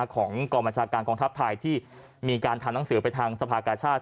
ของกองบัญชาการกองทัพไทยที่มีการทำหนังสือไปทางสภากาชาติ